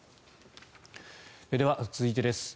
では、続いてです。